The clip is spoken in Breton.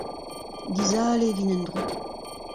Dizale e vin endro.